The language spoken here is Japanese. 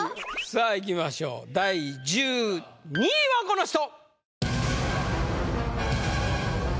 さぁいきましょう第１２位はこの人！